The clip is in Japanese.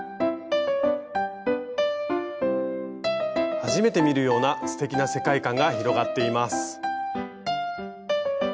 初めて見るようなすてきな世界観が広がっています。